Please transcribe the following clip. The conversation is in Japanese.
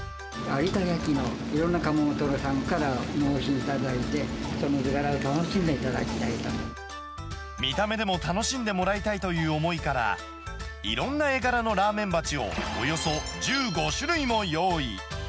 有田焼のいろんな窯元さんから納品いただいて、その図柄を楽見た目でも楽しんでもらいたいという思いから、いろんな絵柄のラーメン鉢を、およそ１５種類も用意。